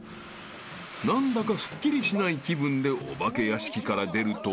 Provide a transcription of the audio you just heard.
［何だかすっきりしない気分でお化け屋敷から出ると］